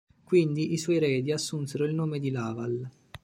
Quindi, i suoi eredi assunsero il nome di Laval.